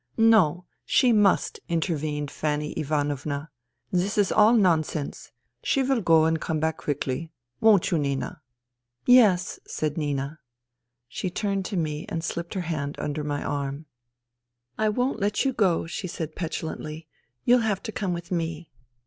" No, she must," intervened Fanny Ivanovna. " This is all nonsense I She will go and come back quickly. Won't you, Nina ?"" Yes," said Nina. She turned to me and slipped her hand under my arm. *' I won't let you go," she said petulantly. " You'll have to come with me."